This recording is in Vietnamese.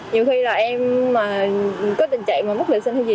nhiều khi là em mà có tình trạng mà mất vệ sinh hay gì